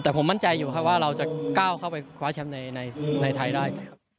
แต่ผมมั่นใจอยู่ครับว่าเราจะก้าวเข้าไปคว้าแชมป์ในไทยได้ครับ